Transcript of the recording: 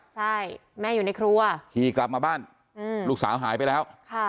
ใช่แม่อยู่ในครัวขี่กลับมาบ้านลูกสาวหายไปแล้ว